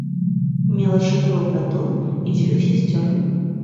Мела чатырох братоў і дзвюх сясцёр.